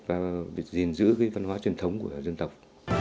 và giữ văn hóa truyền thống của dân tộc